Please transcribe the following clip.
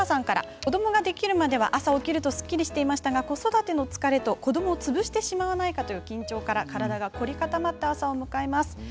子どもができるまでは朝起きるとすっきりしていましたが子育ての疲れと、子どもを潰してしまわないかという緊張から体が凝り固まった朝を迎えます。